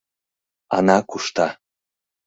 Ана кушта...